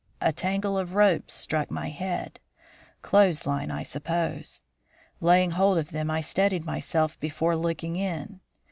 A tangle of ropes struck my head clothes lines, I suppose. Laying hold of them, I steadied myself before looking in.